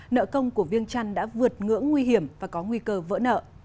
nợ công của viên chăn đã vượt ngưỡng nguy hiểm và có nguy cơ vỡ nợ